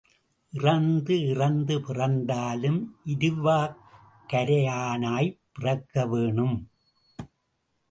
இறந்து இறந்து பிறந்தாலும் இருவக்கரையானாய்ப் பிறக்க வேணும்.